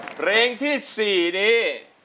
เพลงที่๔นี้